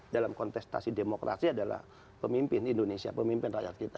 dalam kontestasi demokrasi adalah pemimpin indonesia pemimpin rakyat kita